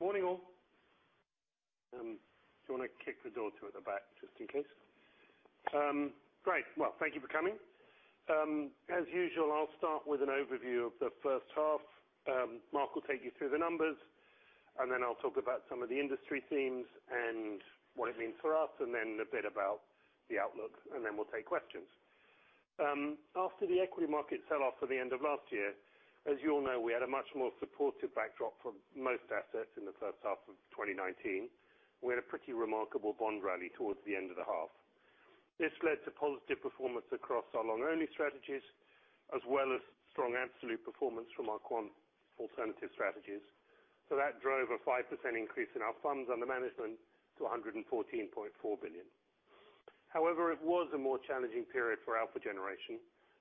Morning, all. Do you want to kick the door too at the back, just in case? Great. Well, thank you for coming. As usual, I'll start with an overview of the first half. Mark will take you through the numbers, and then I'll talk about some of the industry themes and what it means for us, and then a bit about the outlook. We'll take questions. After the equity market sell-off for the end of last year, as you all know, we had a much more supportive backdrop for most assets in the first half of 2019, with a pretty remarkable bond rally towards the end of the half. This led to positive performance across our long-only strategies, as well as strong absolute performance from our quant alternative strategies. That drove a 5% increase in our funds under management to 114.4 billion. It was a more challenging period for alpha generation,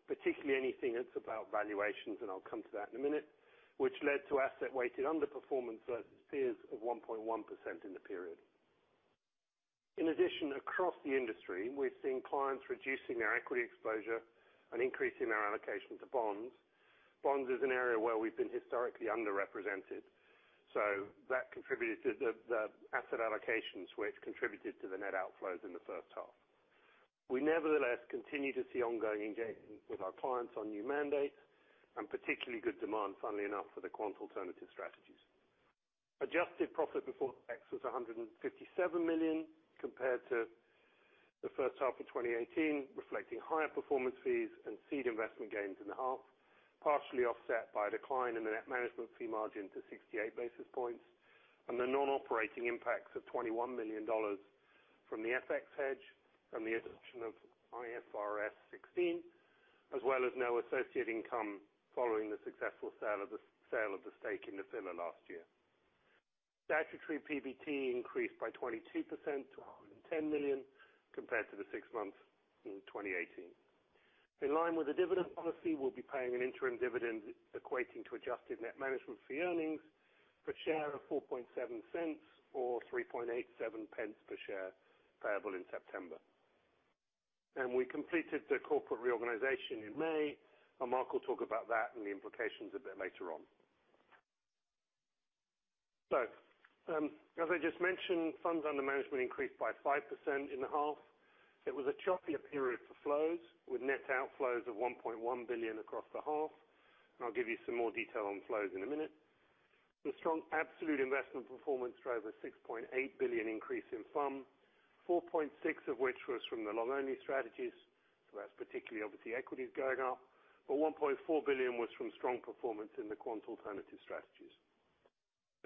particularly anything that's about valuations, and I'll come to that in a minute, which led to asset-weighted underperformance versus peers of 1.1% in the period. Across the industry, we're seeing clients reducing their equity exposure and increasing their allocation to bonds. Bonds is an area where we've been historically underrepresented, so that contributed to the asset allocations, which contributed to the net outflows in the first half. We nevertheless continue to see ongoing engagement with our clients on new mandates, and particularly good demand, funnily enough, for the quant alternative strategies. Adjusted profit before tax was 157 million, compared to the first half of 2018, reflecting higher performance fees and seed investment gains in the half, partially offset by a decline in the net management fee margin to 68 basis points, and the non-operating impacts of $21 million from the FX hedge and the adoption of IFRS 16, as well as no associate income following the successful sale of the stake in Nephila last year. Statutory PBT increased by 22% to 110 million, compared to the six months in 2018. In line with the dividend policy, we'll be paying an interim dividend equating to adjusted net management fee earnings per share of 0.047 or 0.0387 per share, payable in September. We completed the corporate reorganization in May, and Mark will talk about that and the implications a bit later on. As I just mentioned, funds under management increased by 5% in the half. It was a choppier period for flows, with net outflows of 1.1 billion across the half, and I'll give you some more detail on flows in a minute. The strong absolute investment performance drove a 6.8 billion increase in funds, 4.6 billion of which was from the long-only strategies. That's particularly obviously equities going up, but 1.4 billion was from strong performance in the quant alternative strategies.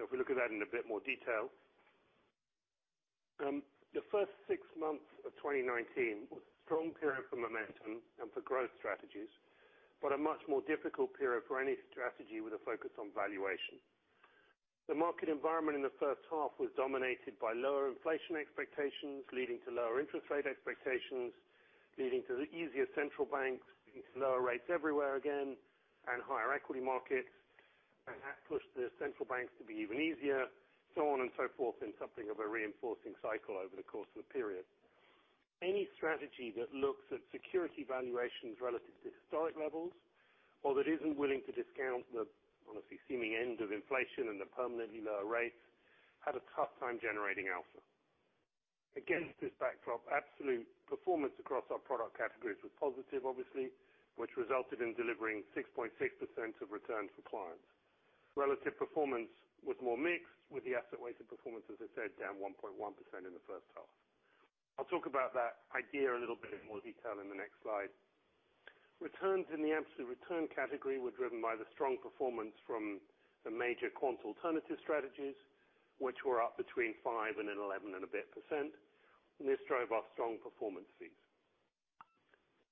If we look at that in a bit more detail. The first six months of 2019 was a strong period for momentum and for growth strategies, but a much more difficult period for any strategy with a focus on valuation. The market environment in the first half was dominated by lower inflation expectations, leading to lower interest rate expectations, leading to easier central banks, leading to lower rates everywhere again, and higher equity markets. That pushed the central banks to be even easier, so on and so forth, in something of a reinforcing cycle over the course of the period. Any strategy that looks at security valuations relative to historic levels, or that isn't willing to discount the honestly seeming end of inflation and the permanently lower rates, had a tough time generating alpha. Against this backdrop, absolute performance across our product categories was positive, obviously, which resulted in delivering 6.6% of return for clients. Relative performance was more mixed, with the asset-weighted performance, as I said, down 1.1% in the first half. I'll talk about that idea a little bit in more detail in the next slide. Returns in the absolute return category were driven by the strong performance from the major quant alternative strategies, which were up between 5% and 11% and a bit, and this drove our strong performance fees.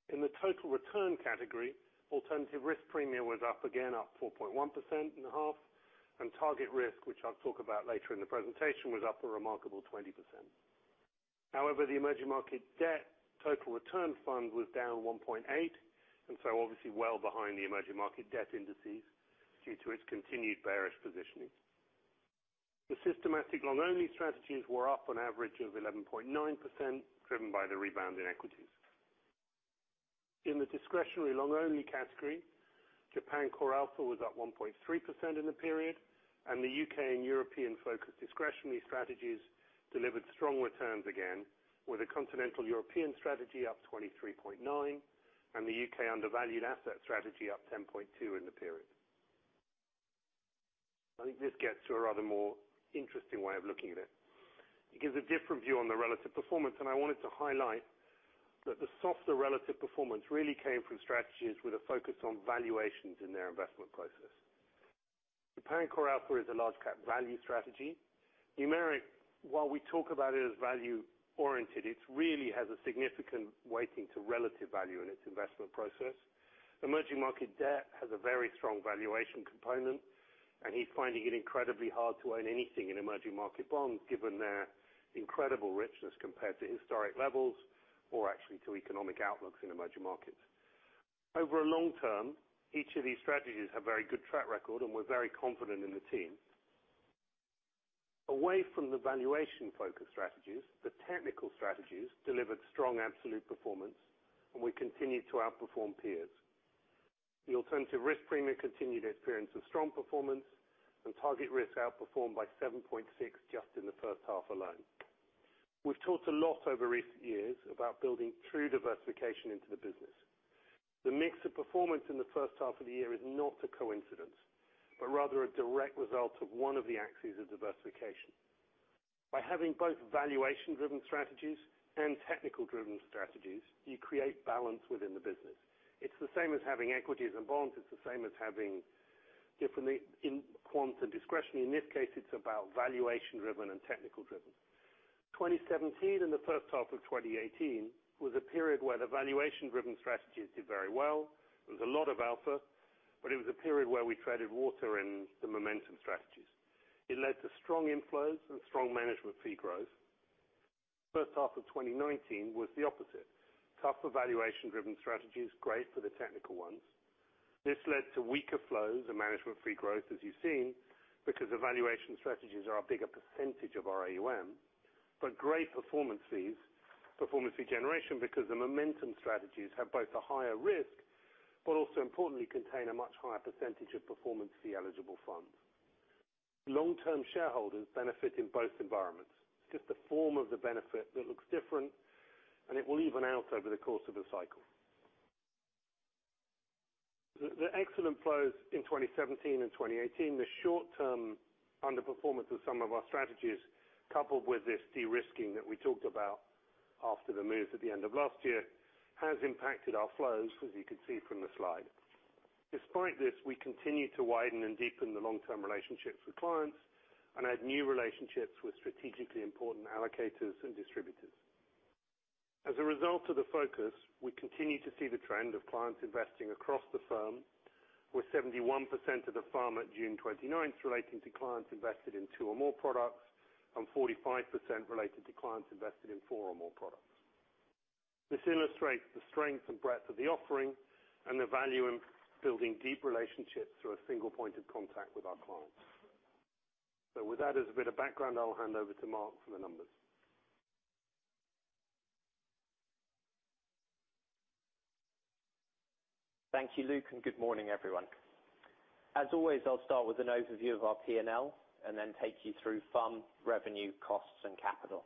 In the total return category, alternative risk premia was up again, up 4.1% in the half, and TargetRisk, which I will talk about later in the presentation, was up a remarkable 20%. The EM debt total return fund was down 1.8%, and so obviously well behind the EM debt indices due to its continued bearish positioning. The systematic long-only strategies were up an average of 11.9%, driven by the rebound in equities. In the discretionary long-only category, Japan CoreAlpha was up 1.3% in the period, and the U.K. and European focused discretionary strategies delivered strong returns again, with a continental European strategy up 23.9%, and the U.K. Undervalued Assets strategy up 10.2% in the period. I think this gets to a rather more interesting way of looking at it. It gives a different view on the relative performance, and I wanted to highlight that the softer relative performance really came from strategies with a focus on valuations in their investment process. Japan CoreAlpha is a large cap value strategy. Numeric, while we talk about it as value-oriented, it really has a significant weighting to relative value in its investment process. Emerging market debt has a very strong valuation component, and he's finding it incredibly hard to own anything in emerging market bonds given their incredible richness compared to historic levels, or actually to economic outlooks in emerging markets. Over a long term, each of these strategies have a very good track record, and we're very confident in the team. Away from the valuation-focused strategies, the technical strategies delivered strong absolute performance, and we continued to outperform peers. The alternative risk premia continued experience of strong performance and TargetRisk outperformed by 7.6% just in the first half alone. We've talked a lot over recent years about building true diversification into the business. The mix of performance in the first half of the year is not a coincidence, but rather a direct result of one of the axes of diversification. By having both valuation-driven strategies and technical-driven strategies, you create balance within the business. It's the same as having equities and bonds. It's the same as having differently in quant and discretionary. In this case, it's about valuation-driven and technical-driven. 2017 and the first half of 2018 was a period where the valuation-driven strategies did very well. There was a lot of alpha, but it was a period where we treaded water in the momentum strategies. It led to strong inflows and strong management fee growth. First half of 2019 was the opposite. Tougher valuation-driven strategies, great for the technical ones. This led to weaker flows and management fee growth, as you've seen, because valuation strategies are a bigger % of our AUM, but great performance fee generation because the momentum strategies have both a higher risk, but also importantly, contain a much higher % of performance fee eligible funds. Long-term shareholders benefit in both environments. It's just the form of the benefit that looks different, and it will even out over the course of a cycle. The excellent flows in 2017 and 2018, the short-term underperformance of some of our strategies, coupled with this de-risking that we talked about after the move at the end of last year, has impacted our flows, as you can see from the slide. Despite this, we continue to widen and deepen the long-term relationships with clients and add new relationships with strategically important allocators and distributors. As a result of the focus, we continue to see the trend of clients investing across the firm, with 71% of the firm at June 29th relating to clients invested in two or more products, and 45% related to clients invested in four or more products. This illustrates the strength and breadth of the offering and the value in building deep relationships through a single point of contact with our clients. With that as a bit of background, I will hand over to Mark for the numbers. Thank you, Luke. Good morning, everyone. As always, I'll start with an overview of our P&L and then take you through FUM, revenue, costs, and capital.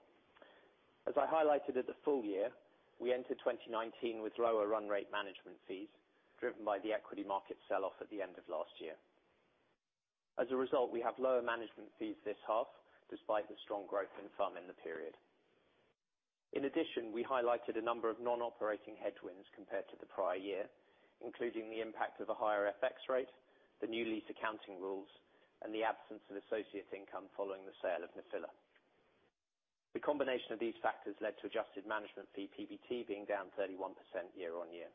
As I highlighted at the full year, we entered 2019 with lower run rate management fees, driven by the equity market sell-off at the end of last year. As a result, we have lower management fees this half, despite the strong growth in FUM in the period. We highlighted a number of non-operating headwinds compared to the prior year, including the impact of a higher FX rate, the new lease accounting rules, and the absence of associate income following the sale of Nephila. The combination of these factors led to adjusted management fee PBT being down 31% year on year.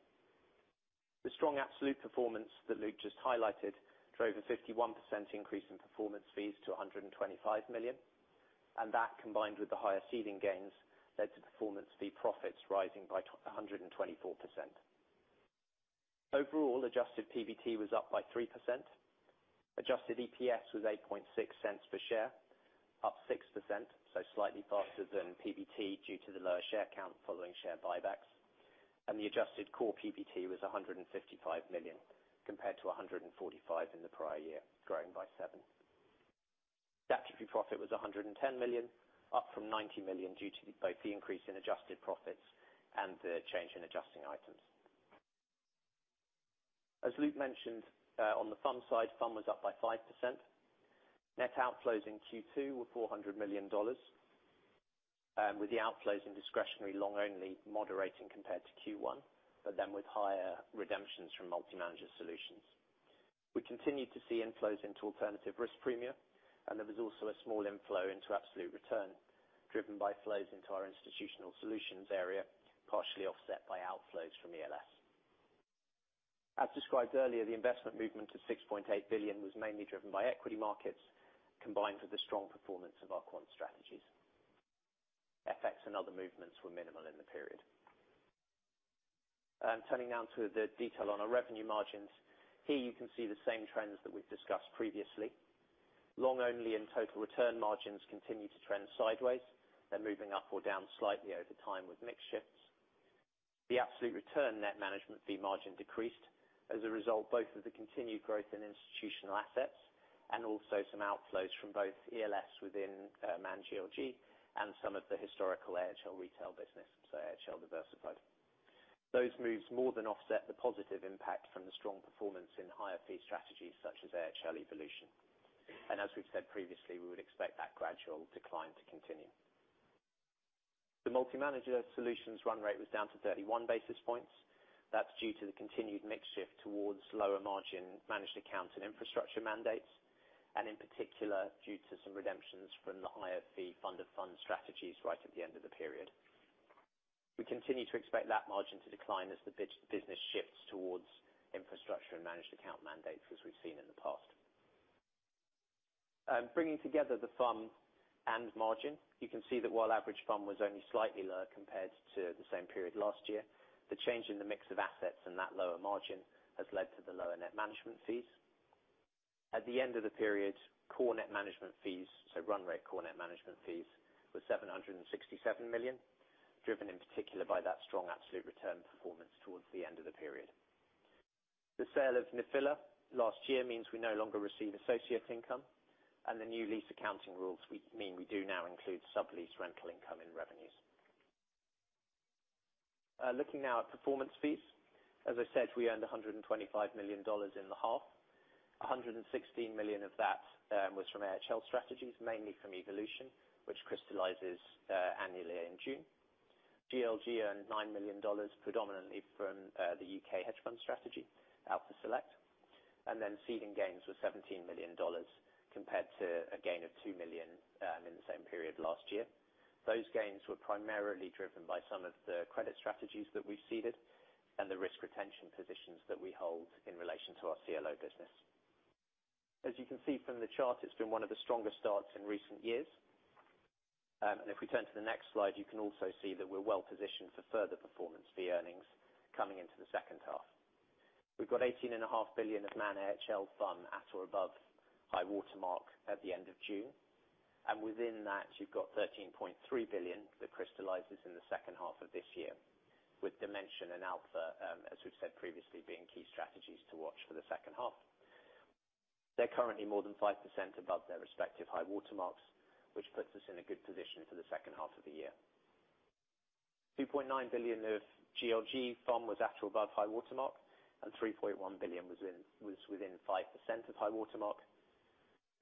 The strong absolute performance that Luke just highlighted drove a 51% increase in performance fees to 125 million. That, combined with the higher seeding gains, led to performance fee profits rising by 124%. Overall, adjusted PBT was up by 3%. Adjusted EPS was 0.086 per share, up 6%, so slightly faster than PBT due to the lower share count following share buybacks. The adjusted core PBT was 155 million compared to 145 million in the prior year, growing by 7%. Statutory profit was 110 million, up from 90 million due to both the increase in adjusted profits and the change in adjusting items. As Luke mentioned, on the FUM side, FUM was up by 5%. Net outflows in Q2 were GBP 400 million. With the outflows in discretionary long only moderating compared to Q1, but then with higher redemptions from multi-manager solutions. We continued to see inflows into alternative risk premia, and there was also a small inflow into absolute return, driven by flows into our institutional solutions area, partially offset by outflows from ELS. As described earlier, the investment movement of 6.8 billion was mainly driven by equity markets, combined with the strong performance of our quant strategies. FX and other movements were minimal in the period. Turning now to the detail on our revenue margins. Here you can see the same trends that we've discussed previously. Long only and total return margins continue to trend sideways. They're moving up or down slightly over time with mix shifts. The absolute return net management fee margin decreased as a result both of the continued growth in institutional assets and also some outflows from both ELS within Man GLG and some of the historical AHL retail business, so AHL Diversified. Those moves more than offset the positive impact from the strong performance in higher fee strategies such as AHL Evolution. As we've said previously, we would expect that gradual decline to continue. The multi-manager solutions run rate was down to 31 basis points. That's due to the continued mix shift towards lower margin managed accounts and infrastructure mandates, and in particular, due to some redemptions from the higher fee fund of fund strategies right at the end of the period. We continue to expect that margin to decline as the business shifts towards infrastructure and managed account mandates as we've seen in the past. Bringing together the FUM and margin, you can see that while average FUM was only slightly lower compared to the same period last year, the change in the mix of assets and that lower margin has led to the lower net management fees. At the end of the period, core net management fees, so run rate core net management fees, were 767 million, driven in particular by that strong absolute return performance towards the end of the period. The sale of Nephila last year means we no longer receive associate income, and the new lease accounting rules mean we do now include sublease rental income in revenues. Looking now at performance fees. As I said, we earned GBP 125 million in the half. 116 million of that was from AHL strategies, mainly from Evolution, which crystallizes annually in June. GLG earned GBP 9 million, predominantly from the U.K. hedge fund strategy, Alpha Select. Seeding gains were GBP 17 million compared to a gain of 2 million in the same period last year. Those gains were primarily driven by some of the credit strategies that we've seeded and the risk retention positions that we hold in relation to our CLO business. As you can see from the chart, it's been one of the stronger starts in recent years. If we turn to the next slide, you can also see that we're well-positioned for further performance fee earnings coming into the second half. We've got 18.5 billion of Man AHL fund at or above high water mark at the end of June. Within that, you've got 13.3 billion that crystallizes in the second half of this year, with Dimension and Alpha, as we've said previously, being key strategies to watch for the second half. They're currently more than 5% above their respective high water marks, which puts us in a good position for the second half of the year. 2.9 billion of GLG fund was at or above high water mark, and 3.1 billion was within 5% of high water mark.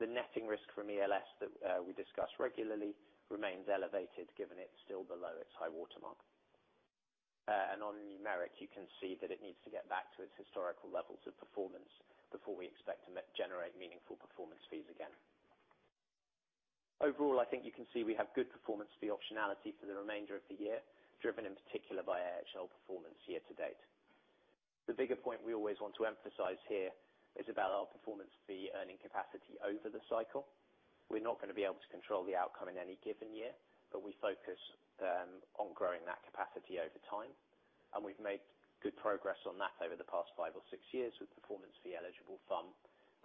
The netting risk from ELS that we discuss regularly remains elevated, given it's still below its high water mark. On Numeric, you can see that it needs to get back to its historical levels of performance before we expect to generate meaningful performance fees again. Overall, I think you can see we have good performance fee optionality for the remainder of the year, driven in particular by AHL performance year to date. The bigger point we always want to emphasize here is about our performance fee earning capacity over the cycle. We're not going to be able to control the outcome in any given year, but we focus on growing that capacity over time, and we've made good progress on that over the past five or six years, with performance fee eligible fund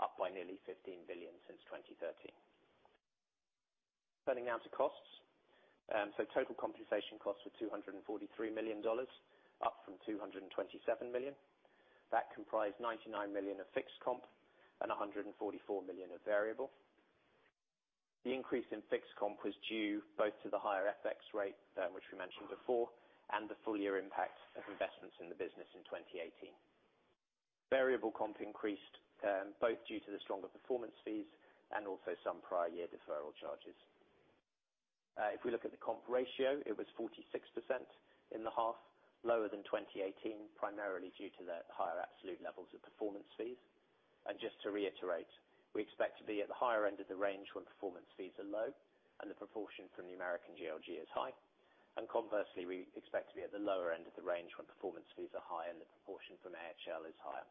up by nearly 15 billion since 2013. Turning now to costs. Total compensation costs were GBP 243 million, up from 227 million. That comprised 99 million of fixed comp and 144 million of variable. The increase in fixed comp was due both to the higher FX rate, which we mentioned before, and the full-year impact of investments in the business in 2018. Variable comp increased both due to the stronger performance fees and also some prior year deferral charges. If we look at the comp ratio, it was 46% in the half, lower than 2018, primarily due to the higher absolute levels of performance fees. Just to reiterate, we expect to be at the higher end of the range when performance fees are low and the proportion from Numeric and GLG is high. Conversely, we expect to be at the lower end of the range when performance fees are high and the proportion from AHL is higher.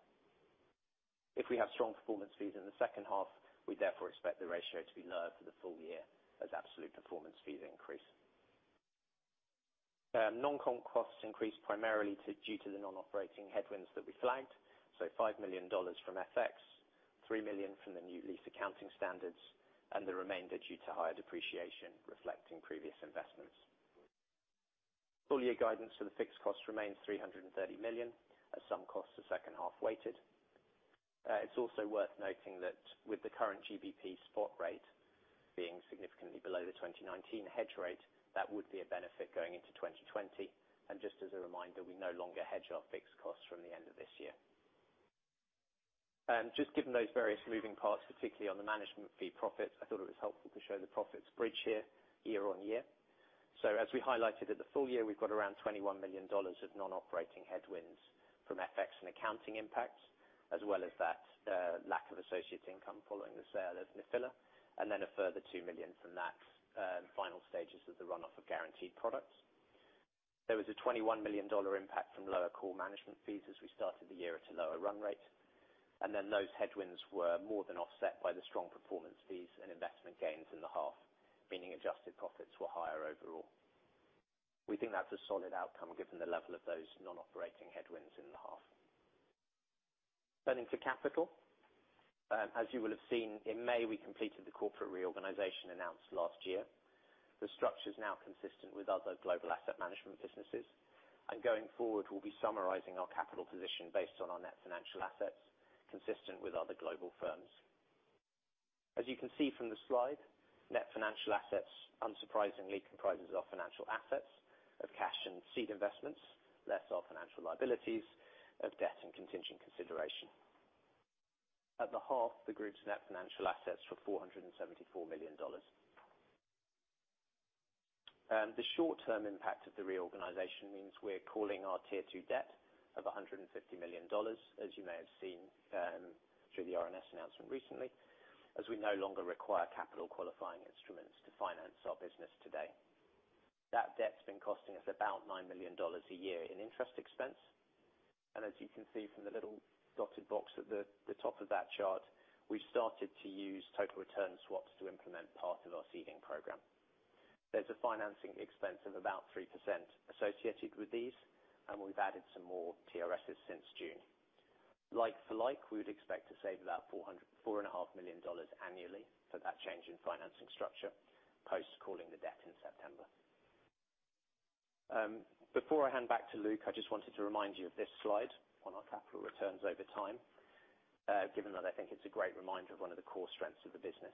If we have strong performance fees in the second half, we therefore expect the ratio to be lower for the full year as absolute performance fees increase. Non-comp costs increased primarily due to the non-operating headwinds that we flagged, GBP 5 million from FX, 3 million from the new lease accounting standards, and the remainder due to higher depreciation reflecting previous investments. Full year guidance for the fixed cost remains 330 million, as some costs are second-half weighted. It's also worth noting that with the current GBP spot rate being significantly below the 2019 hedge rate, that would be a benefit going into 2020. Just as a reminder, we no longer hedge our fixed costs from the end of this year. Just given those various moving parts, particularly on the management fee profits, I thought it was helpful to show the profits bridge here year-over-year. As we highlighted at the full year, we've got around $21 million of non-operating headwinds from FX and accounting impacts, as well as that lack of associate income following the sale of Nephila, and then a further $2 million from that final stages of the run-off of guaranteed products. There was a $21 million impact from lower core management fees as we started the year at a lower run rate. Then those headwinds were more than offset by the strong performance fees and investment gains in the half, meaning adjusted profits were higher overall. We think that's a solid outcome given the level of those non-operating headwinds in the half. Turning to capital. As you will have seen, in May, we completed the corporate reorganization announced last year. The structure is now consistent with other global asset management businesses. Going forward, we'll be summarizing our capital position based on our net financial assets, consistent with other global firms. As you can see from the slide, net financial assets unsurprisingly comprises our financial assets of cash and seed investments, less our financial liabilities of debt and contingent consideration. At the half, the group's net financial assets were GBP 474 million. The short-term impact of the reorganization means we're calling our Tier 2 debt of GBP 150 million, as you may have seen through the RNS announcement recently, as we no longer require capital qualifying instruments to finance our business today. That debt's been costing us about GBP 9 million a year in interest expense. As you can see from the little dotted box at the top of that chart, we've started to use total return swaps to implement part of our seeding program. There's a financing expense of about 3% associated with these, we've added some more TRS's since June. Like for like, we would expect to save about GBP 4.5 million annually for that change in financing structure, post calling the debt in September. Before I hand back to Luke, I just wanted to remind you of this slide on our capital returns over time, given that I think it's a great reminder of one of the core strengths of the business.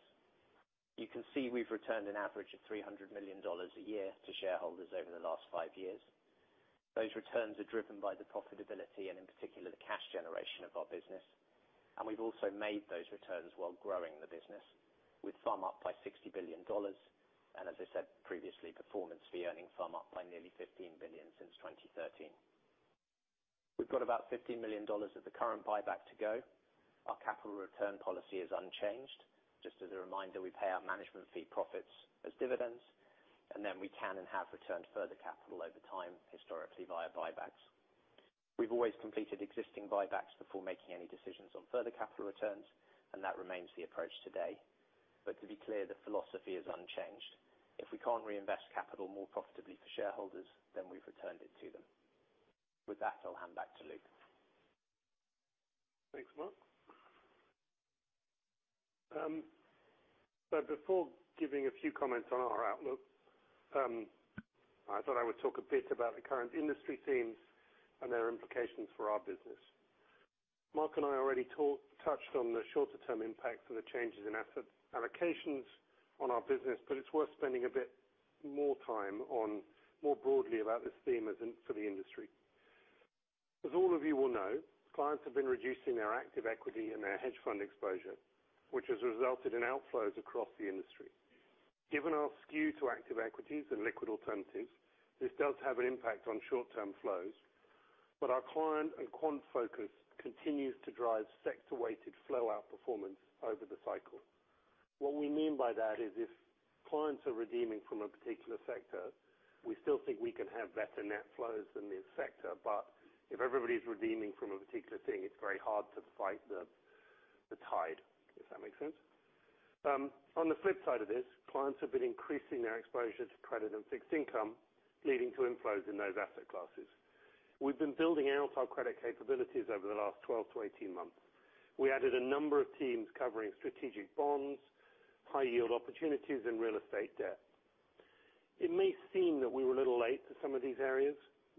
You can see we've returned an average of GBP 300 million a year to shareholders over the last five years. Those returns are driven by the profitability and in particular, the cash generation of our business. We've also made those returns while growing the business. With FUM up by GBP 60 billion, and as I said previously, performance fee earning FUM up by nearly 15 billion since 2013. We've got about GBP 15 million of the current buyback to go. Our capital return policy is unchanged. Just as a reminder, we pay our management fee profits as dividends, then we can and have returned further capital over time, historically, via buybacks. We've always completed existing buybacks before making any decisions on further capital returns, and that remains the approach today. To be clear, the philosophy is unchanged. If we can't reinvest capital more profitably for shareholders, then we've returned it to them. With that, I'll hand back to Luke. Thanks, Mark. Before giving a few comments on our outlook, I thought I would talk a bit about the current industry themes and their implications for our business. Mark and I already touched on the shorter-term impacts of the changes in asset allocations on our business, but it's worth spending a bit more time on more broadly about this theme for the industry. As all of you will know, clients have been reducing their active equity and their hedge fund exposure, which has resulted in outflows across the industry. Given our skew to active equities and liquid alternatives, this does have an impact on short-term flows, but our client and quant focus continues to drive sector-weighted flow out performance over the cycle. What we mean by that is if clients are redeeming from a particular sector, we still think we can have better net flows in this sector. If everybody's redeeming from a particular thing, it's very hard to fight the tide, if that makes sense. On the flip side of this, clients have been increasing their exposure to credit and fixed income, leading to inflows in those asset classes. We've been building out our credit capabilities over the last 12 to 18 months. We added a number of teams covering strategic bonds, high yield opportunities, and real estate debt. It may seem that we were a little late to some of these areas,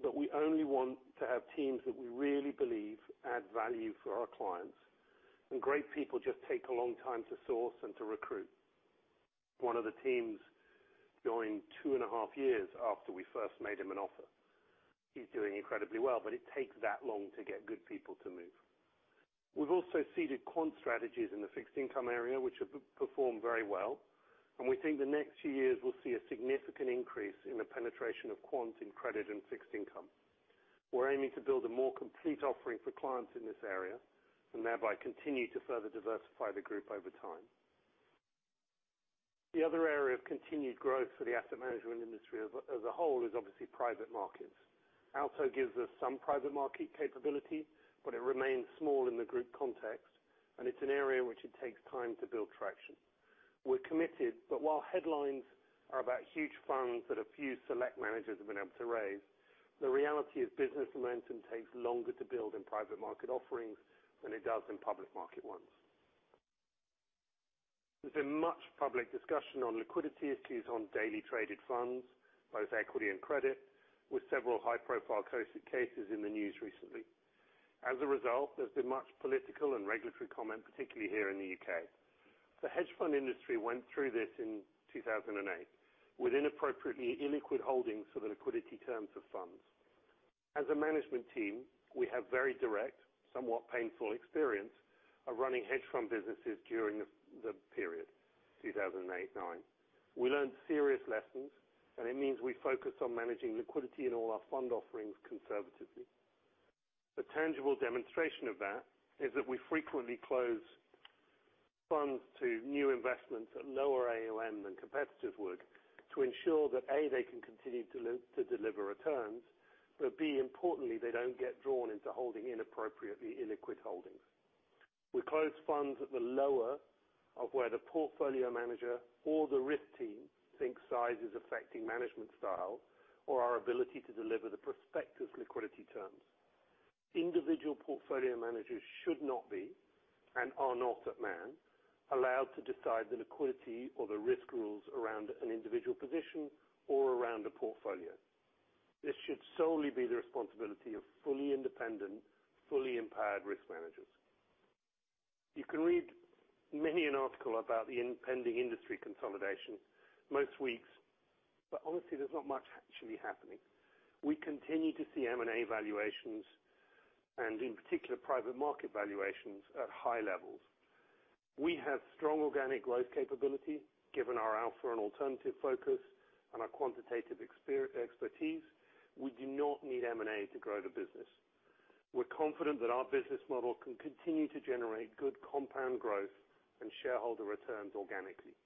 we only want to have teams that we really believe add value for our clients, great people just take a long time to source and to recruit. One of the teams joined two and a half years after we first made him an offer. He's doing incredibly well, it takes that long to get good people to move. We've also seeded quant strategies in the fixed income area, which have performed very well, and we think the next few years will see a significant increase in the penetration of quants in credit and fixed income. We're aiming to build a more complete offering for clients in this area and thereby continue to further diversify the group over time. The other area of continued growth for the asset management industry as a whole is obviously private markets. Aalto gives us some private market capability, but it remains small in the group context, and it's an area which it takes time to build traction. We're committed, but while headlines are about huge funds that a few select managers have been able to raise, the reality is business momentum takes longer to build in private market offerings than it does in public market ones. There's been much public discussion on liquidity issues on daily traded funds, both equity and credit, with several high profile cases in the news recently. There's been much political and regulatory comment, particularly here in the U.K. The hedge fund industry went through this in 2008 with inappropriately illiquid holdings for the liquidity terms of funds. As a management team, we have very direct, somewhat painful experience of running hedge fund businesses during the period 2008 and 2009. We learned serious lessons. It means we focus on managing liquidity in all our fund offerings conservatively. The tangible demonstration of that is that we frequently close funds to new investments at lower AUM than competitors would to ensure that, A, they can continue to deliver returns, but B, importantly, they don't get drawn into holding inappropriately illiquid holdings. We close funds at the lower of where the portfolio manager or the risk team thinks size is affecting management style or our ability to deliver the prospectus liquidity terms. Individual portfolio managers should not be, and are not at Man, allowed to decide the liquidity or the risk rules around an individual position or around a portfolio. This should solely be the responsibility of fully independent, fully empowered risk managers. You can read many an article about the impending industry consolidation most weeks, but honestly, there's not much actually happening. We continue to see M&A valuations and in particular private market valuations at high levels. We have strong organic growth capability given our alpha and alternative focus and our quantitative expertise. We do not need M&A to grow the business. We're confident that our business model can continue to generate good compound growth and shareholder returns organically.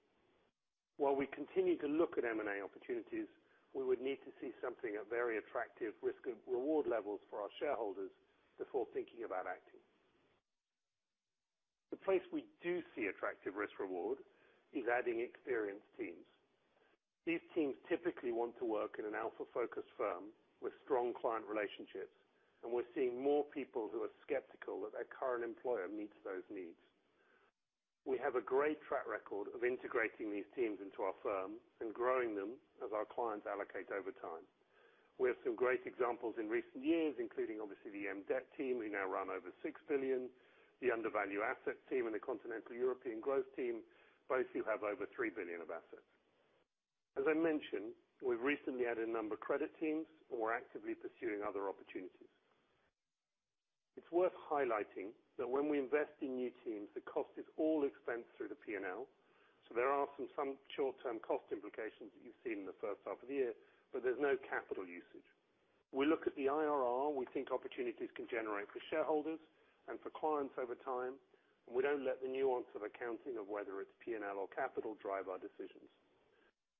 While we continue to look at M&A opportunities, we would need to see something at very attractive risk and reward levels for our shareholders before thinking about acting. The place we do see attractive risk reward is adding experienced teams. These teams typically want to work in an Alpha-focused firm with strong client relationships, and we're seeing more people who are skeptical that their current employer meets those needs. We have a great track record of integrating these teams into our firm and growing them as our clients allocate over time. We have some great examples in recent years, including obviously the EM debt team, who now run over 6 billion, the Undervalued Assets team and the continental European growth team, both who have over 3 billion of assets. As I mentioned, we've recently added a number of credit teams, and we're actively pursuing other opportunities. It's worth highlighting that when we invest in new teams, the cost is all expensed through the P&L, so there are some short-term cost implications that you've seen in the first half of the year, but there's no capital usage. We look at the IRR we think opportunities can generate for shareholders and for clients over time, and we don't let the nuance of accounting of whether it's P&L or capital drive our decisions.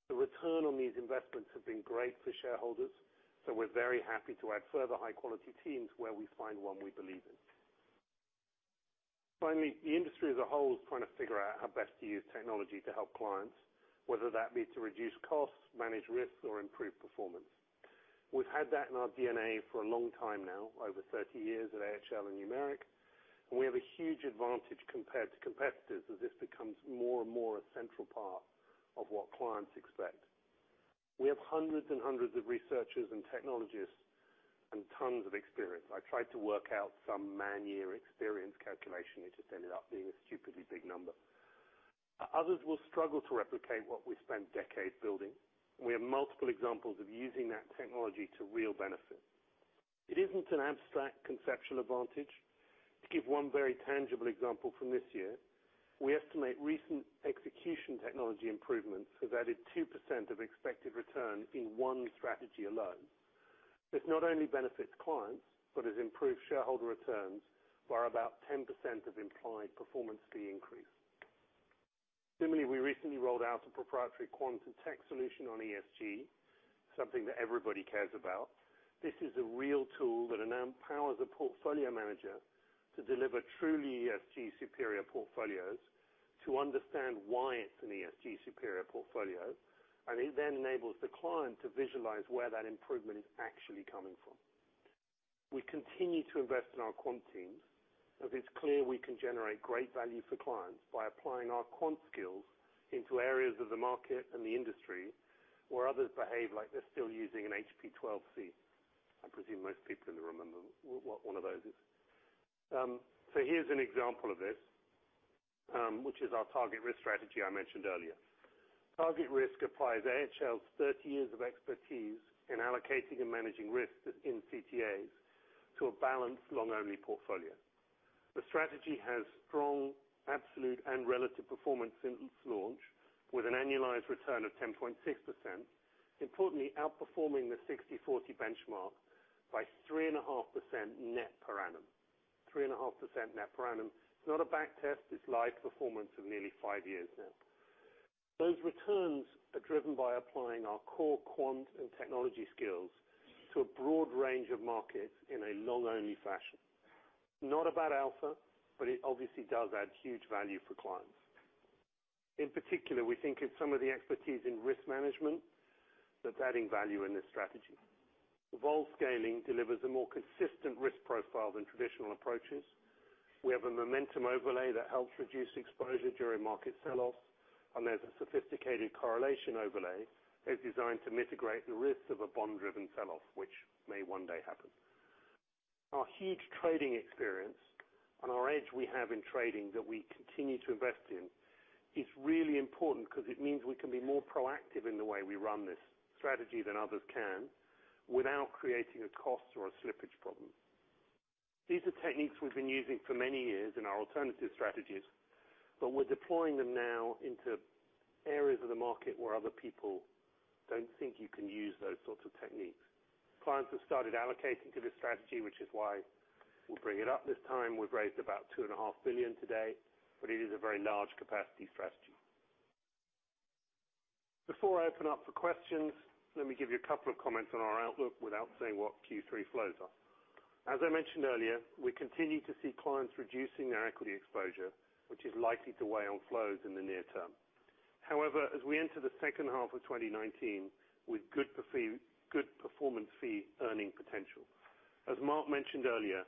The return on these investments have been great for shareholders, so we're very happy to add further high-quality teams where we find one we believe in. Finally, the industry as a whole is trying to figure out how best to use technology to help clients, whether that be to reduce costs, manage risks, or improve performance. We've had that in our DNA for a long time now, over 30 years at AHL and Numeric, and we have a huge advantage compared to competitors as this becomes more and more a central part of what clients expect. We have hundreds and hundreds of researchers and technologists and tons of experience. I tried to work out some man-year experience calculation. It just ended up being a stupidly big number. Others will struggle to replicate what we spent decades building. We have multiple examples of using that technology to real benefit. It isn't an abstract conceptual advantage. To give one very tangible example from this year, we estimate recent execution technology improvements have added 2% of expected return in one strategy alone. This not only benefits clients, but has improved shareholder returns by about 10% of implied performance fee increase. Similarly, we recently rolled out a proprietary quant tech solution on ESG, something that everybody cares about. This is a real tool that empowers a portfolio manager to deliver truly ESG superior portfolios to understand why it's an ESG superior portfolio, and it then enables the client to visualize where that improvement is actually coming from. We continue to invest in our quant teams, as it's clear we can generate great value for clients by applying our quant skills into areas of the market and the industry where others behave like they're still using an HP 12C. I presume most people in the room remember what one of those is. Here's an example of this, which is our TargetRisk strategy I mentioned earlier. TargetRisk applies AHL's 30 years of expertise in allocating and managing risks in CTAs to a balanced long-only portfolio. The strategy has strong absolute and relative performance since launch with an annualized return of 10.6%, importantly outperforming the 60/40 benchmark by 3.5% net per annum. 3.5% net per annum. It's not a back test; it's live performance of nearly five years now. Those returns are driven by applying our core quant and technology skills to a broad range of markets in a long-only fashion. Not about alpha, but it obviously does add huge value for clients. In particular, we think it's some of the expertise in risk management that's adding value in this strategy. Evolve scaling delivers a more consistent risk profile than traditional approaches. We have a momentum overlay that helps reduce exposure during market sell-offs. There's a sophisticated correlation overlay that's designed to mitigate the risk of a bond-driven sell-off, which may one day happen. Our huge trading experience and our edge we have in trading that we continue to invest in is really important because it means we can be more proactive in the way we run this strategy than others can, without creating a cost or a slippage problem. These are techniques we've been using for many years in our alternative strategies, but we're deploying them now into areas of the market where other people don't think you can use those sorts of techniques. Clients have started allocating to this strategy, which is why we'll bring it up this time. We've raised about 2.5 billion today, but it is a very large capacity strategy. Before I open up for questions, let me give you a couple of comments on our outlook without saying what Q3 flows are. As I mentioned earlier, we continue to see clients reducing their equity exposure, which is likely to weigh on flows in the near term. As we enter the second half of 2019 with good performance fee earning potential. As Mark mentioned earlier,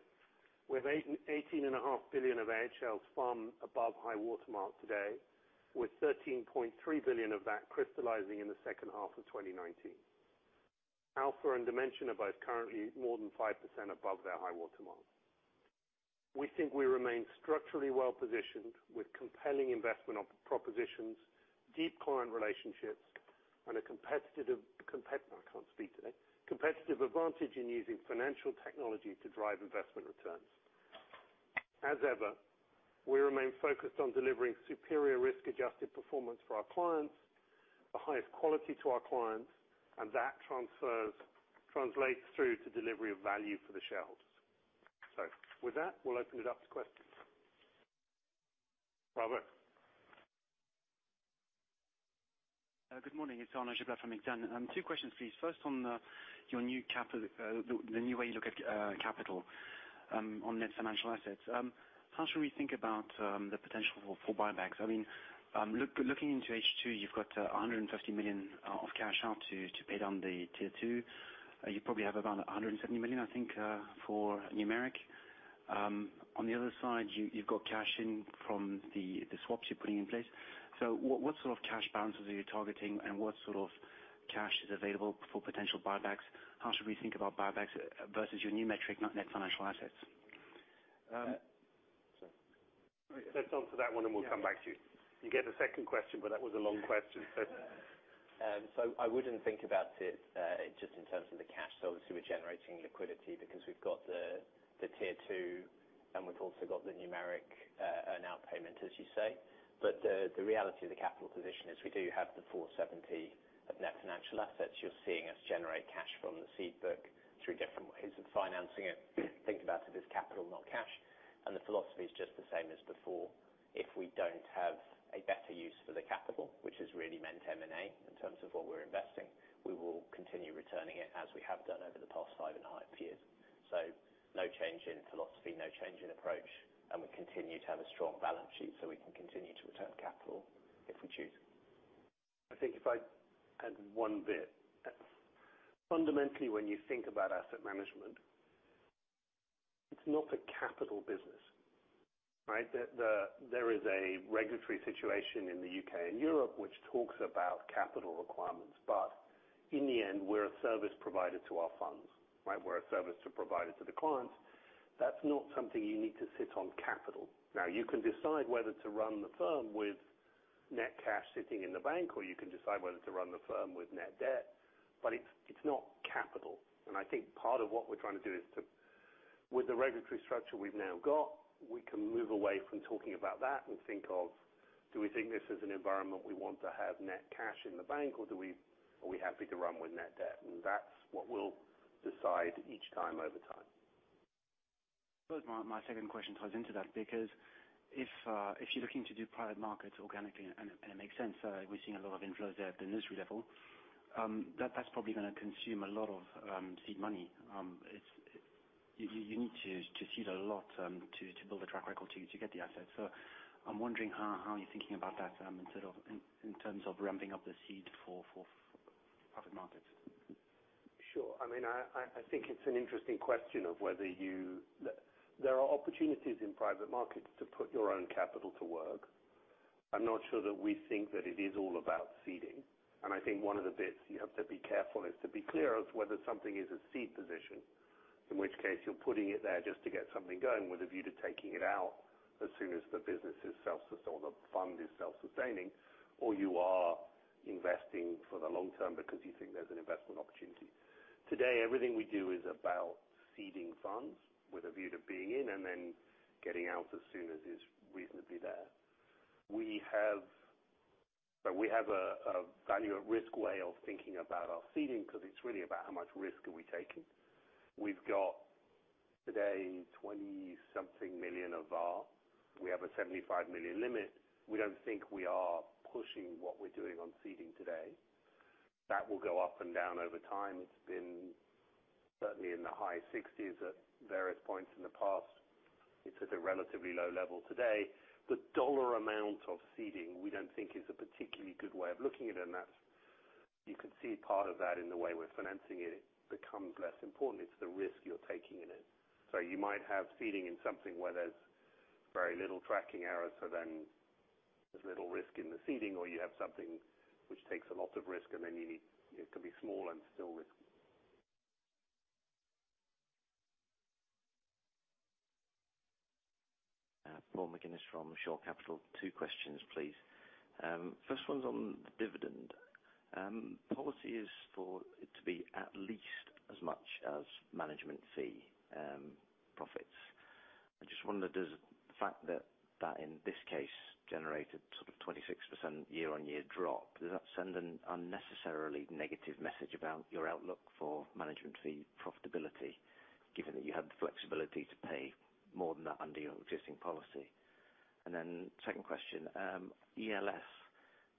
we have 18.5 billion of AHL's FUM above high water mark today, with 13.3 billion of that crystallizing in the second half of 2019. Alpha and Dimension are both currently more than 5% above their high water mark. We think we remain structurally well-positioned with compelling investment propositions, deep client relationships, and a competitive advantage in using financial technology to drive investment returns. As ever, we remain focused on delivering superior risk-adjusted performance for our clients, the highest quality to our clients, and that translates through to delivery of value for the shareholders. With that, we'll open it up to questions. Robert Good morning. It's Arnaud Giblat from Exane. Two questions, please. First, on the new way you look at capital on net financial assets. How should we think about the potential for buybacks? Looking into H2, you've got 150 million of cash out to pay down the Tier 2. You probably have about 170 million, I think, for Numeric. On the other side, you've got cash in from the swaps you're putting in place. What sort of cash balances are you targeting and what sort of cash is available for potential buybacks? How should we think about buybacks versus your new metric, net financial assets? Let's answer that one and we'll come back to you. You get a second question, that was a long question. I wouldn't think about it just in terms of the cash. Obviously we're generating liquidity because we've got the Tier 2 and we've also got the Numeric earn-out payment, as you say. The reality of the capital position is we do have the 470 of net financial assets. You're seeing us generate cash from the seed book through different ways of financing it. Think about it as capital, not cash. The philosophy is just the same as before. If we don't have a better use for the capital, which has really meant M&A in terms of what we're investing, we will continue returning it as we have done over the past five and a half years. No change in philosophy, no change in approach, and we continue to have a strong balance sheet so we can continue to return capital if we choose. I think if I add one bit. Fundamentally, when you think about asset management, it's not a capital business, right? There is a regulatory situation in the U.K. and Europe which talks about capital requirements. In the end, we're a service provider to our funds. We're a service provider to the clients. That's not something you need to sit on capital. Now, you can decide whether to run the firm with net cash sitting in the bank, or you can decide whether to run the firm with net debt, but it's not capital. I think part of what we're trying to do is to, with the regulatory structure we've now got, we can move away from talking about that and think of, do we think this is an environment we want to have net cash in the bank or are we happy to run with net debt? That's what we'll decide each time over time. I suppose my second question ties into that, because if you're looking to do private markets organically and it makes sense, we're seeing a lot of inflows there at the industry level, that's probably going to consume a lot of seed money. You need to seed a lot to build a track record to get the assets. I'm wondering how you're thinking about that in terms of ramping up the seed for private markets. Sure. I think it's an interesting question of whether you-- There are opportunities in private markets to put your own capital to work. I'm not sure that we think that it is all about seeding. I think one of the bits you have to be careful is to be clear of whether something is a seed position, in which case you're putting it there just to get something going with a view to taking it out as soon as the business is self-sustained or the fund is self-sustaining, or you are investing for the long term because you think there's an investment opportunity. Today, everything we do is about seeding funds with a view to being in and then getting out as soon as is reasonably there. We have a value at risk way of thinking about our seeding because it's really about how much risk are we taking. We've got today 20-something million of VaR. We have a 75 million limit. We don't think we are pushing what we're doing on seeding today. That will go up and down over time. It's been certainly in the high GBP 60s at various points in the past. It's at a relatively low level today. The dollar amount of seeding we don't think is a particularly good way of looking at it, and you can see part of that in the way we're financing it. It becomes less important. It's the risk you're taking in it. You might have seeding in something where there's very little tracking error, so then there's little risk in the seeding, or you have something which takes a lot of risk, and then it can be small and still risky. Paul McGinnis from Shore Capital. Two questions, please. First one's on the dividend. Policy is for it to be at least as much as management fee profits. I just wondered, does the fact that that in this case generated sort of 26% year-over-year drop, does that send an unnecessarily negative message about your outlook for management fee profitability, given that you had the flexibility to pay more than that under your existing policy? Second question, ELS,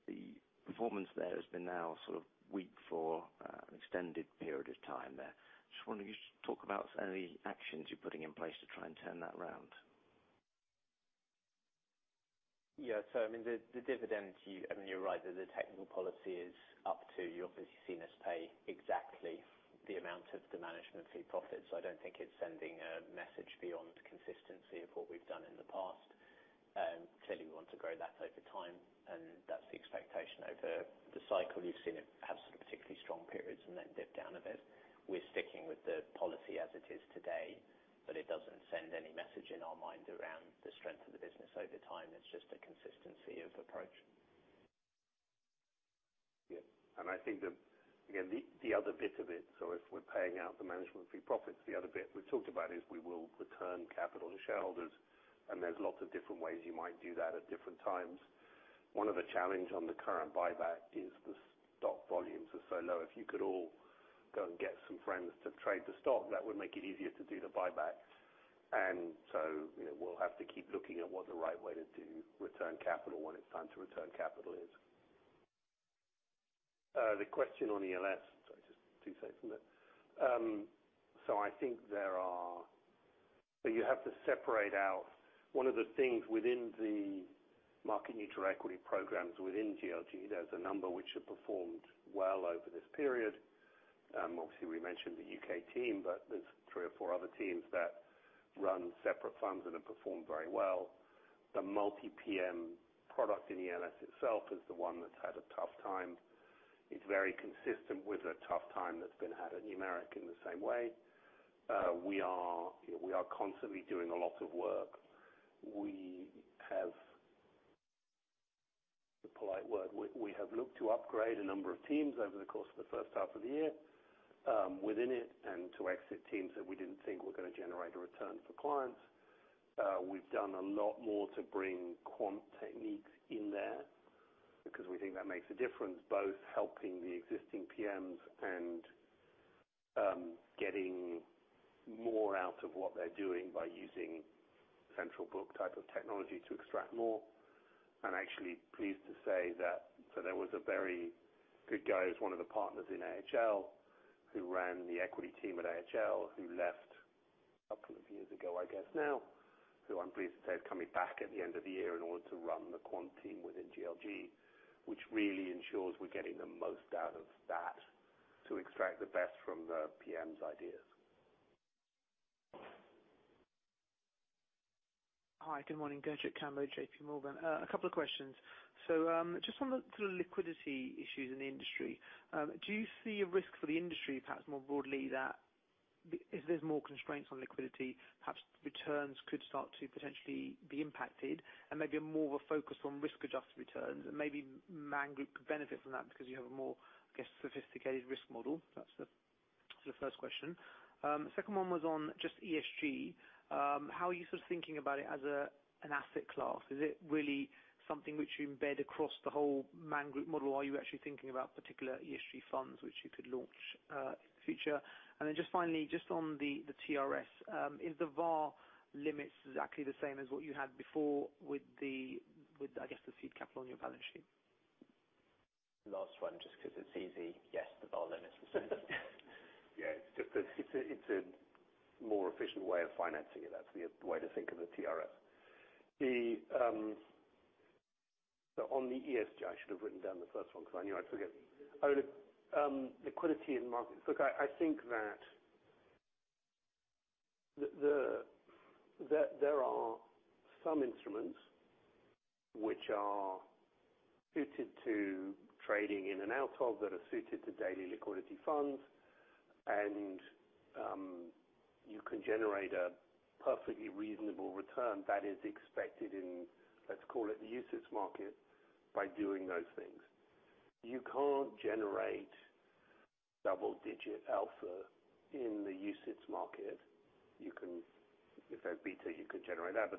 the performance there has been now sort of weak for an extended period of time there. Just wondering, could you talk about any actions you're putting in place to try and turn that around? Yeah. The dividend, you're right that the technical policy is up to, you've obviously seen us pay exactly the amount of the management fee profits. I don't think it's sending a message beyond consistency of what we've done in the past. Clearly, we want to grow that over time, and that's the expectation over the cycle. You've seen it have some particularly strong periods and then dip down a bit. We're sticking with the policy as it is today, but it doesn't send any message in our mind around the strength of the business over time. It's just a consistency of approach. Yeah. I think that the other bit of it, if we're paying out the management fee profits, the other bit we've talked about is we will return capital to shareholders, there's lots of different ways you might do that at different times. One of the challenge on the current buyback is so low. If you could all go and get some friends to trade the stock, that would make it easier to do the buyback. We'll have to keep looking at what the right way to do return capital when it's time to return capital is. The question on ELS, sorry, just two seconds. I think you have to separate out one of the things within the market-neutral equity programs within GLG. There's a number which have performed well over this period. Obviously, we mentioned the U.K. team, but there's three or four other teams that run separate funds that have performed very well. The multi-PM product in ELS itself is the one that's had a tough time. It's very consistent with a tough time that's been had at Numeric in the same way. We are constantly doing a lot of work. The polite word, we have looked to upgrade a number of teams over the course of the first half of the year within it, and to exit teams that we didn't think were going to generate a return for clients. We've done a lot more to bring quant techniques in there because we think that makes a difference, both helping the existing PMs and getting more out of what they're doing by using central book type of technology to extract more. I'm actually pleased to say that there was a very good guy who's one of the partners in AHL, who ran the equity team at AHL, who left a couple of years ago, I guess now, who I'm pleased to say is coming back at the end of the year in order to run the quant team within GLG, which really ensures we're getting the most out of that to extract the best from the PM's ideas. Hi, good morning. Gurjit Kambo, JPMorgan A couple of questions. Just on the sort of liquidity issues in the industry, do you see a risk for the industry, perhaps more broadly, that if there's more constraints on liquidity, perhaps returns could start to potentially be impacted and maybe more of a focus on risk-adjusted returns and maybe Man Group could benefit from that because you have a more, I guess, sophisticated risk model? That's the first question. Second one was on just ESG. How are you sort of thinking about it as an asset class? Is it really something which you embed across the whole Man Group model, or are you actually thinking about particular ESG funds which you could launch in the future? Just finally, just on the TRS, is the VaR limits exactly the same as what you had before with I guess the seed capital on your balance sheet? Last one, just because it's easy. Yes, the VaR limit's the same. Yeah, it's a more efficient way of financing it. That's the way to think of the TRS. On the ESG, I should have written down the first one because I knew I'd forget. Liquidity in markets. Look, I think that there are some instruments which are suited to trading in and out of that are suited to daily liquidity funds, and you can generate a perfectly reasonable return that is expected in, let's call it the UCITS market, by doing those things. You can't generate double-digit alpha in the UCITS market. If they're beta, you could generate that.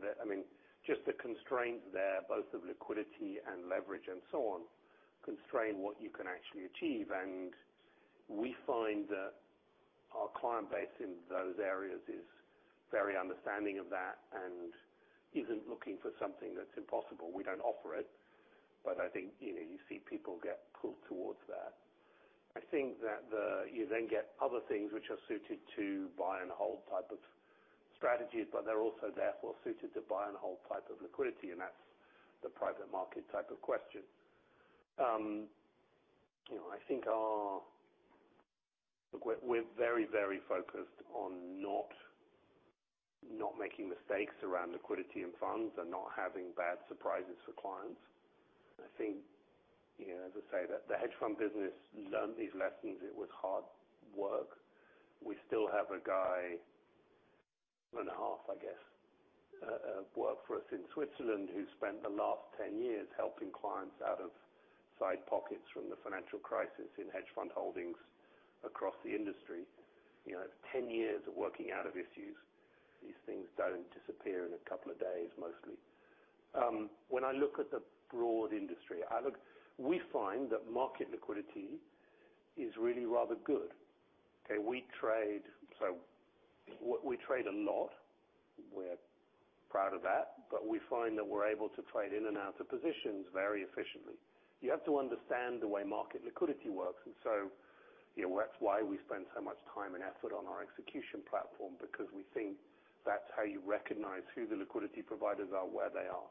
Just the constraints there, both of liquidity and leverage and so on, constrain what you can actually achieve. We find that our client base in those areas is very understanding of that and isn't looking for something that's impossible. We don't offer it. I think you see people get pulled towards that. I think you then get other things which are suited to buy and hold type of strategies, but they're also therefore suited to buy and hold type of liquidity, and that's the private market type of question. We're very focused on not making mistakes around liquidity and funds and not having bad surprises for clients. I think, as I say, that the hedge fund business learned these lessons. It was hard work. We still have a guy, half I guess, work for us in Switzerland who spent the last 10 years helping clients out of side pockets from the financial crisis in hedge fund holdings across the industry. 10 years of working out of issues. These things don't disappear in a couple of days, mostly. When I look at the broad industry, we find that market liquidity is really rather good. Okay. We trade a lot. We're proud of that. We find that we're able to trade in and out of positions very efficiently. You have to understand the way market liquidity works, that's why we spend so much time and effort on our execution platform, because we think that's how you recognize who the liquidity providers are, where they are.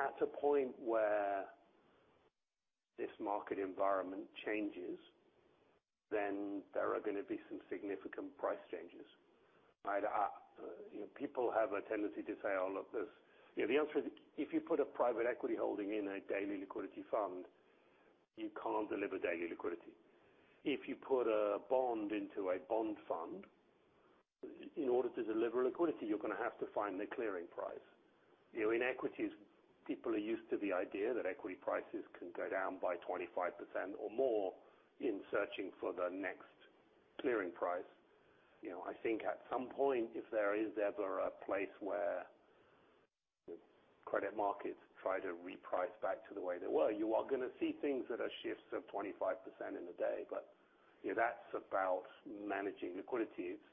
At a point where this market environment changes, there are going to be some significant price changes. People have a tendency to say all of this. The answer is, if you put a private equity holding in a daily liquidity fund, you can't deliver daily liquidity. If you put a bond into a bond fund, in order to deliver liquidity, you're going to have to find the clearing price. In equities, people are used to the idea that equity prices can go down by 25% or more in searching for the next clearing price. I think at some point, if there is ever a place where credit markets try to reprice back to the way they were. You are going to see things that are shifts of 25% in a day. That's about managing liquidity. It's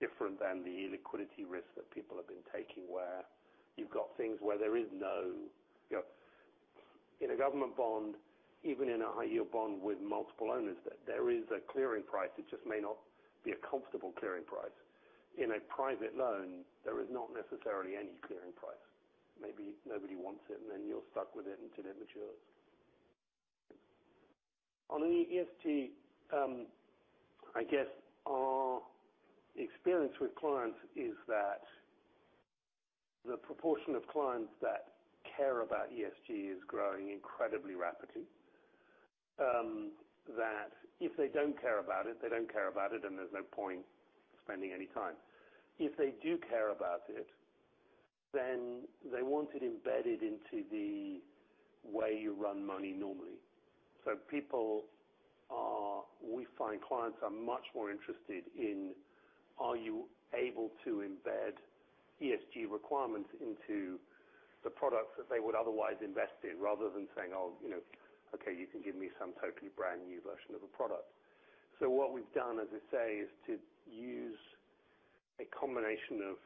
different than the liquidity risk that people have been taking, where you've got things where there is no government bond, even in a high-yield bond with multiple owners, there is a clearing price. It just may not be a comfortable clearing price. In a private loan, there is not necessarily any clearing price. Maybe nobody wants it, and then you're stuck with it until it matures. On the ESG, I guess our experience with clients is that the proportion of clients that care about ESG is growing incredibly rapidly. If they don't care about it, they don't care about it, and there's no point spending any time. If they do care about it, then they want it embedded into the way you run money normally. We find clients are much more interested in are you able to embed ESG requirements into the products that they would otherwise invest in, rather than saying, "Oh, okay, you can give me some totally brand-new version of a product." What we've done, as I say, is to use a combination of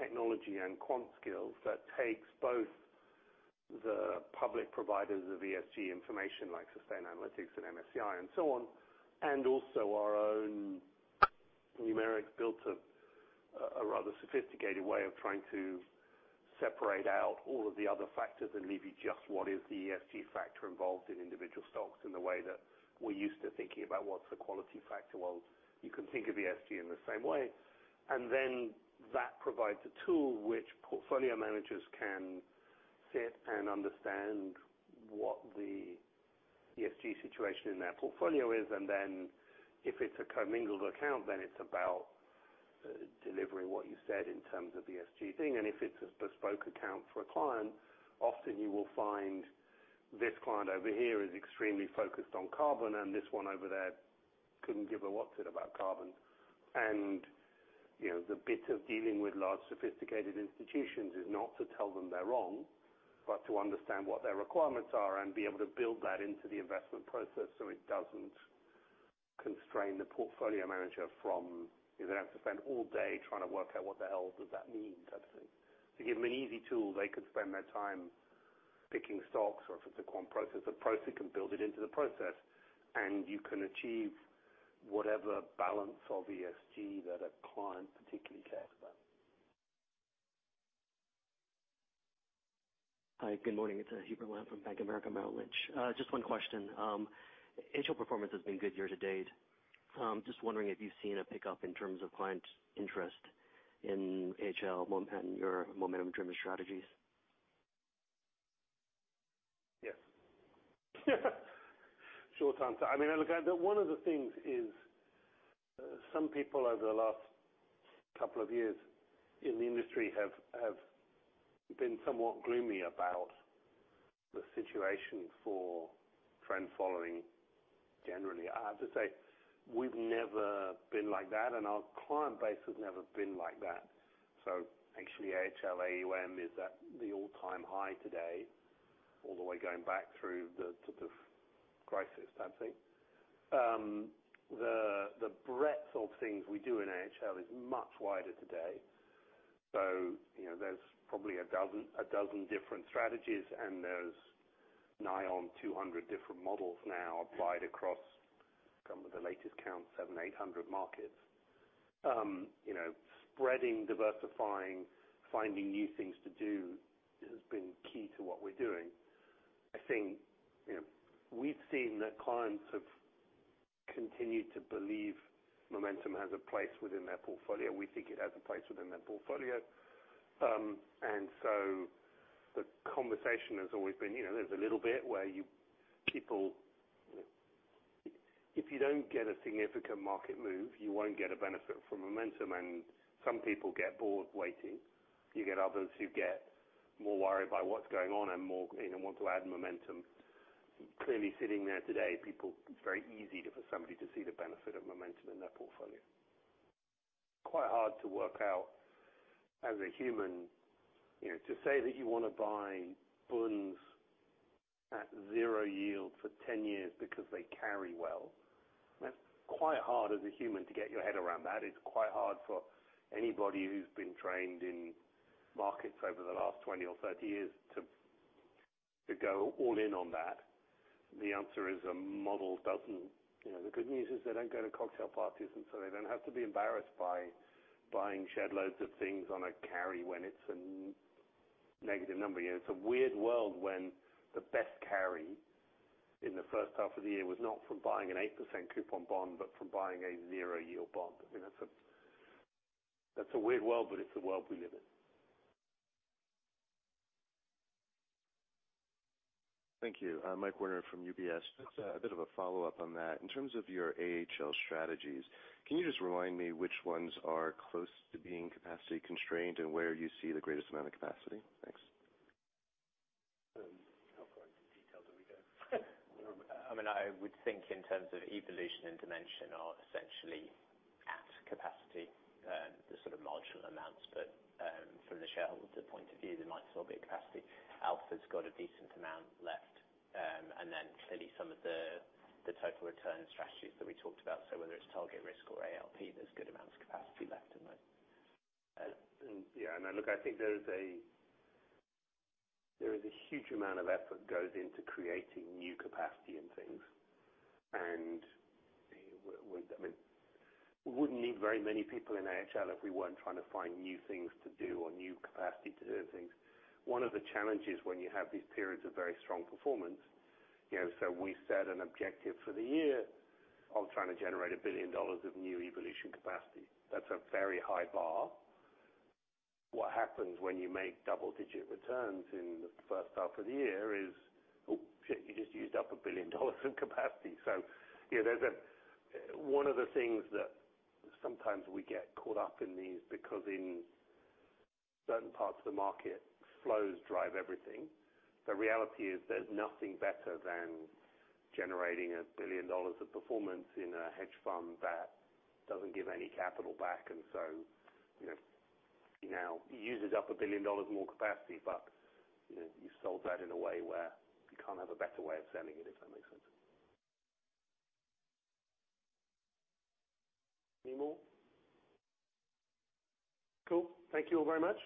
technology and quant skills that takes both the public providers of ESG information like Sustainalytics and MSCI and so on, and also our own Numeric built a rather sophisticated way of trying to separate out all of the other factors and leave you just what is the ESG factor involved in individual stocks in the way that we're used to thinking about what's the quality factor. You can think of ESG in the same way. That provides a tool which portfolio managers can sit and understand what the ESG situation in their portfolio is. If it's a commingled account, then it's about delivering what you said in terms of the ESG thing. If it's a bespoke account for a client, often you will find this client over here is extremely focused on carbon, and this one over there couldn't give a what's it about carbon. The bit of dealing with large sophisticated institutions is not to tell them they're wrong, but to understand what their requirements are and be able to build that into the investment process so it doesn't constrain the portfolio manager, they don't have to spend all day trying to work out what the hell does that mean type of thing. To give them an easy tool, they could spend their time picking stocks, or if it's a quant process, a proxy can build it into the process, and you can achieve whatever balance of ESG that a client particularly cares about. Hi, good morning. It's Hubert Lam from Bank of America Merrill Lynch. Just one question. AHL performance has been good year to date. Just wondering if you've seen a pickup in terms of client interest in AHL momentum, your momentum-driven strategies. Yes. Short answer. One of the things is some people over the last couple of years in the industry have been somewhat gloomy about the situation for trend following generally. I have to say, we've never been like that, and our client base has never been like that. Actually, AHL AUM is at the all-time high today, all the way going back through the crisis, I think. The breadth of things we do in AHL is much wider today. There's probably 12 different strategies, and there's now on 200 different models now applied across some of the latest count, 700, 800 markets. Spreading, diversifying, finding new things to do has been key to what we're doing. I think we've seen that clients have continued to believe momentum has a place within their portfolio. We think it has a place within their portfolio. The conversation has always been there's a little bit where people if you don't get a significant market move, you won't get a benefit from momentum, and some people get bored waiting. You get others who get more worried by what's going on and more want to add momentum. Clearly sitting there today, people, it's very easy for somebody to see the benefit of momentum in their portfolio. Quite hard to work out as a human, to say that you want to buy bunds at zero yield for 10 years because they carry well. That's quite hard as a human to get your head around that. It's quite hard for anybody who's been trained in markets over the last 20 or 30 years to go all in on that. The good news is they don't go to cocktail parties, they don't have to be embarrassed by buying shed loads of things on a carry when it's a negative number. It's a weird world when the best carry in the first half of the year was not from buying an 8% coupon bond, but from buying a zero-yield bond. That's a weird world, it's the world we live in. Thank you. Michael Werner from UBS. Just a bit of a follow-up on that. In terms of your AHL strategies, can you just remind me which ones are close to being capacity constrained and where you see the greatest amount of capacity? Thanks. How far into detail do we go? I would think in terms of Evolution and Dimension are essentially at capacity, the sort of model amounts, but from the shareholder point of view, they might still be at capacity. Alpha's got a decent amount left. Clearly some of the total return strategies that we talked about, so whether it's TargetRisk or ARP, there's good amounts of capacity left in those. Yeah. Look, I think there is a huge amount of effort goes into creating new capacity in things. We wouldn't need very many people in AHL if we weren't trying to find new things to do or new capacity to do things. One of the challenges when you have these periods of very strong performance, we set an objective for the year of trying to generate GBP 1 billion of new Evolution capacity. That's a very high bar. What happens when you make double-digit returns in the first half of the year is you just used up 1 billion in capacity. One of the things that sometimes we get caught up in these because in certain parts of the market, flows drive everything. The reality is there's nothing better than generating GBP 1 billion of performance in a hedge fund that doesn't give any capital back. Now uses up GBP 1 billion more capacity, you sold that in a way where you can't have a better way of selling it, if that makes sense. Any more? Cool. Thank you all very much.